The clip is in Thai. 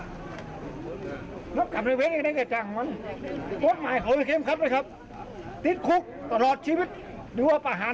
สวัสดีครับทุกคน